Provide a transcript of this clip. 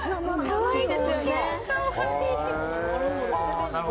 ・かわいい！